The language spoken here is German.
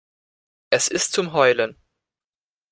Es ist zum Heulen.